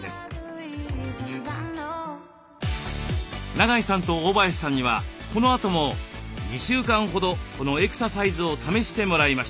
長井さんと大林さんにはこのあとも２週間ほどこのエクササイズを試してもらいました。